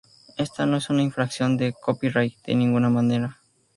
Ésta no es una infracción de copyright de ninguna manera.